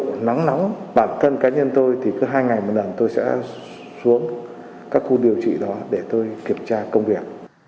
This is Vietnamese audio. chế độ nóng nóng bản thân cá nhân tôi thì cứ hai ngày một lần tôi sẽ xuống các khu điều trị đó để tôi kiểm tra công việc